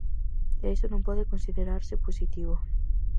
E iso non pode considerarse positivo.